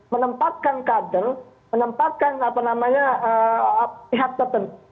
menempatkan kader menempatkan apa namanya pihak tertentu